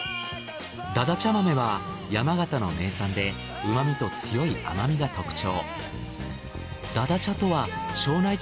だだちゃ豆は山形の名産で旨みと強い甘みが特徴。